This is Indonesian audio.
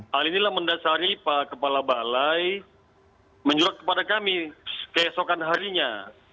hal inilah mendasari pak kepala balai menyurat kepada kami keesokan harinya